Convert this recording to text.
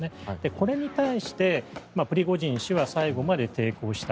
これに対してプリゴジン氏は最後まで抵抗した。